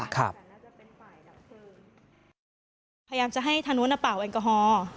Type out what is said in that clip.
พยายามจะให้ทางโน้นเป่าแอลกอฮอล์